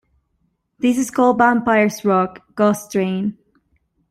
This is called Vampires Rock: Ghost Train!